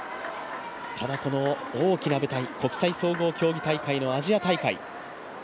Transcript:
ただ、この大きな舞台国際総合競技大会のアジア大会。